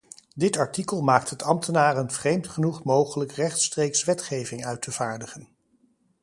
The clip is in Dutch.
Dit artikel maakt het ambtenaren vreemd genoeg mogelijk rechtstreeks wetgeving uit te vaardigen.